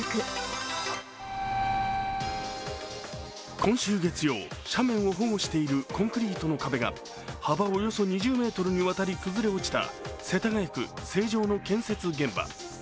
今週月曜、斜面を保護しているコンクリートの壁が幅およそ２０ｍにわたり崩れ落ちた世田谷区成城の建設現場。